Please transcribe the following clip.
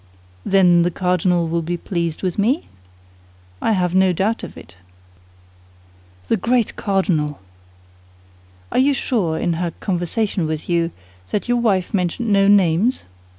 "Then the cardinal will be pleased with me?" "I have no doubt of it." "The great cardinal!" "Are you sure, in her conversation with you, that your wife mentioned no names?"